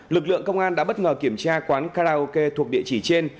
lực lượng công an đã bất ngờ kiểm tra quán karaoke thuộc địa chỉ trên